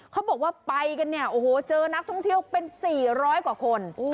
เขาบอกว่าไปกันเนี่ยโอ้โหเจอนักท่องเที่ยวเป็น๔๐๐กว่าคน